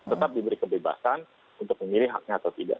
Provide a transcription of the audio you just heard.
tetap diberi kebebasan untuk memilih haknya atau tidak